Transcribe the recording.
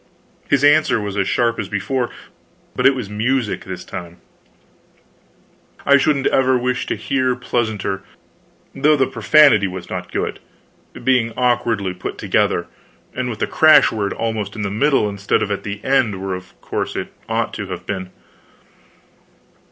His answer was as sharp as before, but it was music this time; I shouldn't ever wish to hear pleasanter, though the profanity was not good, being awkwardly put together, and with the crash word almost in the middle instead of at the end, where, of course, it ought to have been.